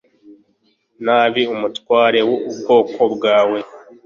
nabi umutware w ubwoko bwawe